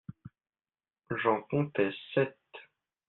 J'en comptai sept.